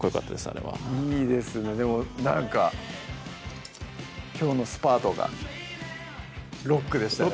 あれはいいですねなんかきょうのスパートがロックでしたね